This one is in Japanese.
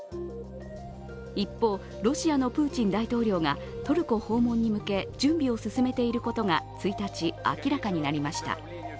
一方、ロシアのプーチン大統領がトルコ訪問に向け準備を進めていることが１日、明らかになりました。